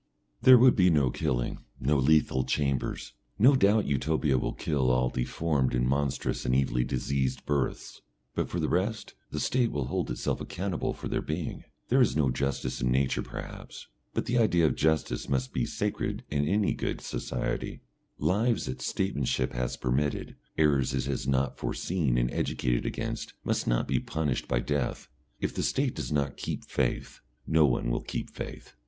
There would be no killing, no lethal chambers. No doubt Utopia will kill all deformed and monstrous and evilly diseased births, but for the rest, the State will hold itself accountable for their being. There is no justice in Nature perhaps, but the idea of justice must be sacred in any good society. Lives that statesmanship has permitted, errors it has not foreseen and educated against, must not be punished by death. If the State does not keep faith, no one will keep faith.